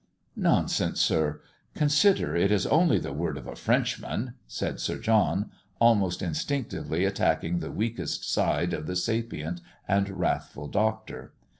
"Nonsense, sir! Consider it is only the word of a Frenchman!" said Sir John, almost instinctively attacking the weakest side of the sapient and wrathful Doctor.